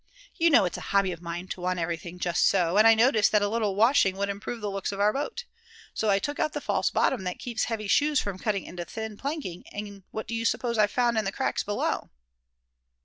You know it's a hobby of mine to want everything just so; and I noticed that a little washing would improve the looks of our boat. So I took out the false bottom that keeps heavy shoes from cutting into the thin planking; and what do you suppose I found in the cracks below?"